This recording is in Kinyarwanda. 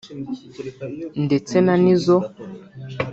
ndetse na Nizzo